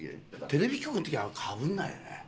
テレビ局の時はかぶらないよね。